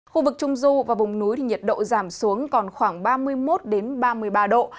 khu vực trung du và vùng núi thì nhiệt độ giảm xuống còn khoảng ba mươi một ba mươi ba độ